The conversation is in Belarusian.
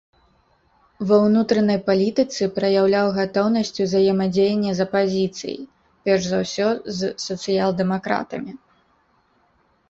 Ва ўнутранай палітыцы праяўляў гатоўнасць ўзаемадзеяння з апазіцыяй, перш за ўсё з сацыял-дэмакратамі.